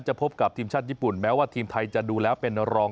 พบกับทีมชาติญี่ปุ่นแม้ว่าทีมไทยจะดูแล้วเป็นรอง